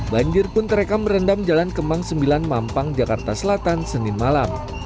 banjir pun terekam merendam jalan kemang sembilan mampang jakarta selatan senin malam